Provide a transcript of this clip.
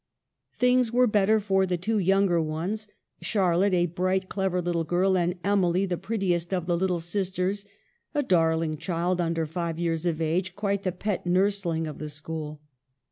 Things were better for the two younger ones, Charlotte, a bright clever little girl, and Emily, the prettiest of the little sisters, " a darling child, under five years of age, quite the pet nursling of the school."